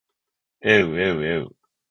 えうえうえう